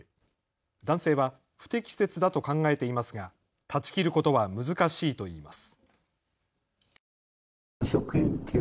男性は不適切だと考えていますが断ち切ることは難しいといいます。